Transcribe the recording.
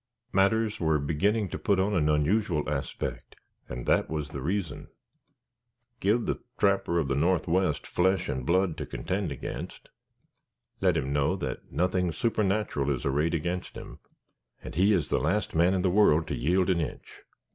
Matters were beginning to put on an unusual aspect, and that was the reason. Give the trapper of the northwest flesh and blood to contend against, let him know that nothing supernatural is arrayed against him, and he is the last man in the world to yield an inch.